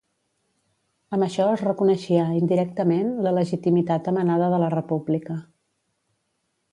Amb això es reconeixia, indirectament, la legitimitat emanada de la república.